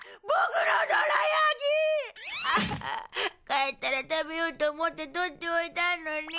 帰ったら食べようと思ってとっておいたのに。